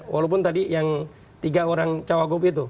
walaupun tadi yang tiga orang cawagup itu